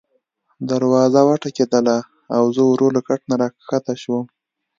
دروازه وټکېدله او زه ورو له کټ نه راکښته شوم.